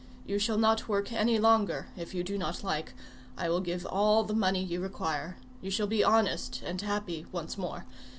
You shall not work any longer if you do not like. I will give all the money you require. You shall be honest and happy once more.